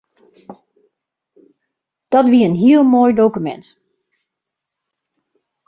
Dat wie in heel moai dokumint.